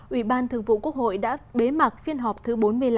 ủy ban thường vụ quốc hội đã bế mạc phiên họp thứ bốn mươi năm